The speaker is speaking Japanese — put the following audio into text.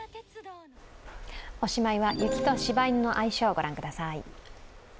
おしまいは、雪としば犬の相性、ご覧ください。